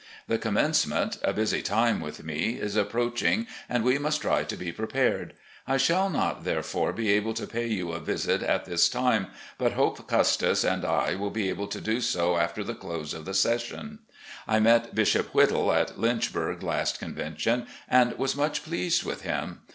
The commencement, a busy time with me, is approaching, and we must try to be prepared. I shall not, therefore, be able to pay you a visit at this time, but hope Custis and I will be able to do so after the close of the session. I met Bishop Whittle at Lynchburg last convention, and was much pleased with him.